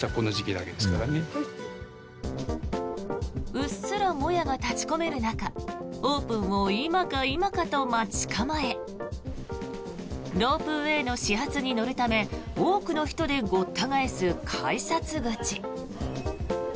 うっすらもやが立ち込める中オープンを今か今かと待ち構えロープウェーの始発に乗るため多くの人でごった返す改札口。